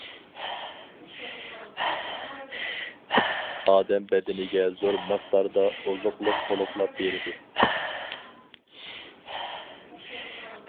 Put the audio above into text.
ئادەم بەدىنىگە زور مىقداردا ئوزۇقلۇق تولۇقلاپ بېرىدۇ.